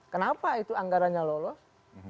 kenapa itu anggaranya lolos